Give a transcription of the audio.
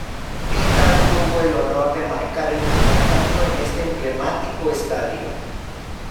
Pita tuvo el honor de marcar el primer tanto en este emblemático estadio.